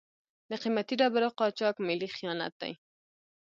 د قیمتي ډبرو قاچاق ملي خیانت دی.